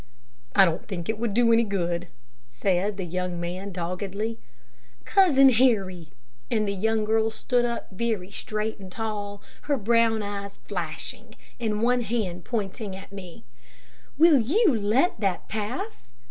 "I don't think it would do any good," said the young man, doggedly, "Cousin Harry!" and the young girl stood up very straight and tall, her brown eyes flashing, and one hand pointing at me; "will you let that pass?